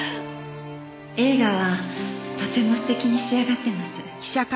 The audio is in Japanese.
映画はとても素敵に仕上がってます。